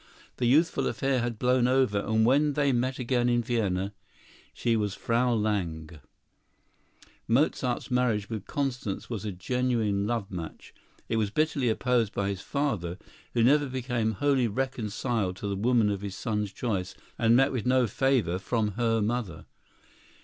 The youthful affair had blown over; and when they met again in Vienna she was Frau Lange. Mozart's marriage with Constance was a genuine love match. It was bitterly opposed by his father, who never became wholly reconciled to the woman of his son's choice, and met with no favor from her mother.